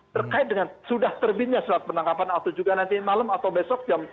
terkait dengan sudah terbitnya surat penangkapan atau juga nanti malam atau besok jam sepuluh